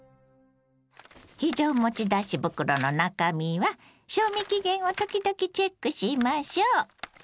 非常持ち出し袋の中身は賞味期限を時々チェックしましょう。